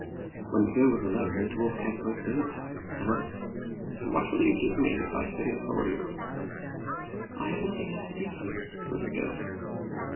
'' When the girl was a lone, the dwarf came for a third time, and asked, "What will you give me if I spin it for you?" "I have not a thing left to give you," said the girl.